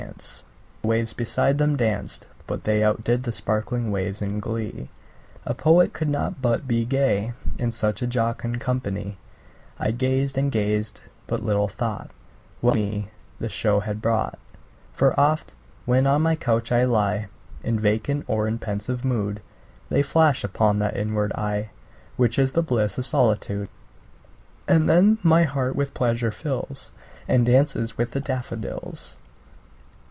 The waves beside them danced; but they Outdid the sparkling waves in glee; A poet could not but be gay, In such a jocund company; I gazed and gazed but little thought What wealth to me the show had brought: For oft, when on my couch I lie In vacant or in pensive mood, They flash upon that inward eye Which is the bliss of solitude; And then my heart with pleasure fills, And dances with the daffodils.